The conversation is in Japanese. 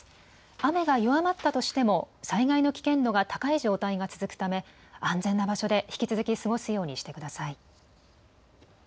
雨が弱まったとしても災害の危険度が高い状態が続くため安全な場所で引き続き過ごすようにしてください。